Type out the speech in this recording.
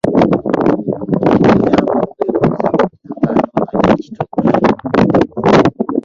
Tekikuyamba kwebuzaabuza ng'ate omanyi ekituufu.